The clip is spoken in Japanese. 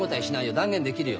断言できるよ。